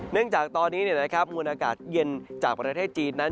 เนื่องจากตอนนี้มวลอากาศเย็นจากประเทศจีน